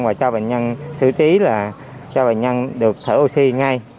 và cho bệnh nhân xử trí là cho bệnh nhân được thở oxy ngay